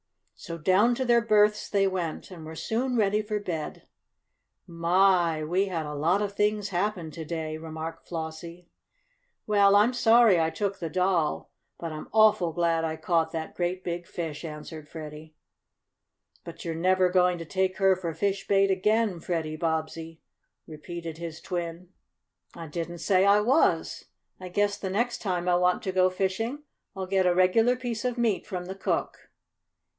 So down to their berths they went and were soon ready for bed. "My, we had a lot of things happen to day!" remarked Flossie. "Well, I'm sorry I took the doll, but I'm awful glad I caught that great big fish," answered Freddy. "But you're never going to take her for fish bait again, Freddie Bobbsey!" repeated his twin. "I didn't say I was. I guess the next time I want to go fishing I'll get a regular piece of meat from the cook."